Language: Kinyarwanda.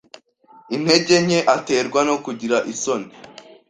intege nke aterwa no kugira isoni